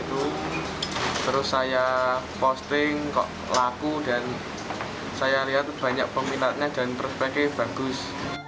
terus saya posting laku dan saya lihat banyak peminatnya dan perspektif bagus